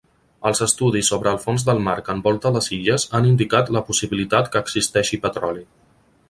Els estudis sobre el fons del mar que envolta les illes han indicat la possibilitat que existeixi petroli.